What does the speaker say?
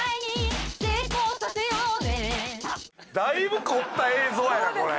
だいぶ凝った映像やなこれ。